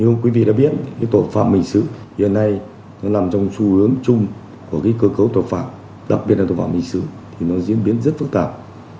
như quý vị đã biết cái tội phạm hình sự hiện nay nó nằm trong xu hướng chung của cơ cấu tội phạm đặc biệt là tội phạm hình sự thì nó diễn biến rất phức tạp